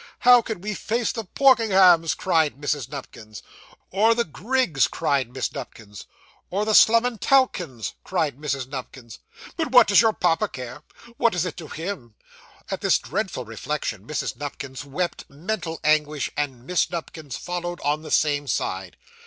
'How can we face the Porkenhams?' cried Mrs. Nupkins. 'Or the Griggs!' cried Miss Nupkins. 'Or the Slummintowkens!' cried Mrs. Nupkins. 'But what does your papa care! What is it to him!' At this dreadful reflection, Mrs. Nupkins wept mental anguish, and Miss Nupkins followed on the same side.